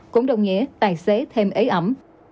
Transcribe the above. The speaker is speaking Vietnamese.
cũng đồng nghĩa tài xế thêm ế ẩm